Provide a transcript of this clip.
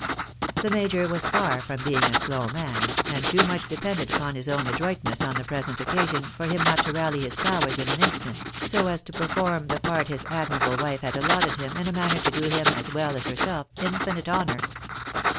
The major was far from being a slow man, and too much depended upon his own adroitness on the present occasion for him not to rally his powers in an instant, so as to perform the part his admirable wife had allotted him, in a manner to do him as well as herself infinite honour.